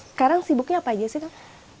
sekarang sibuknya apa aja sih kang